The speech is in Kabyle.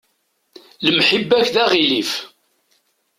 Lemḥibba-k d aɣilif.